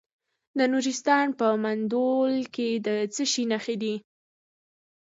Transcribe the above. د نورستان په مندول کې د څه شي نښې دي؟